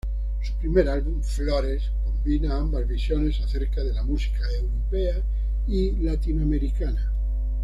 Su primer álbum "Flores" combina ambas visiones acerca de la música europea y latinoamericana.